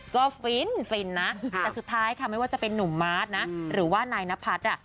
แล้วที่สุดท้ายค่ะไม่ว่าจะเป็นนุ่มมาร์ทนะหรือว่านายนภาษย์อ่ะ